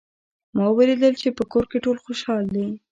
ما ولیدل چې په کور کې ټول خوشحال دي